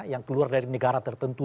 yang keluar dari negara tertentu